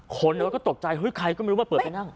คนก็ตกใจเฮ้ยใครก็ไม่รู้ว่าเปิดไปนั่ง